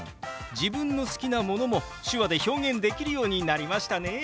自分の好きなものも手話で表現できるようになりましたね。